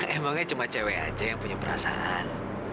emangnya cuma cewek aja yang punya perasaan